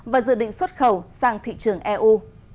và dự định xuất khẩu sang thị trường eu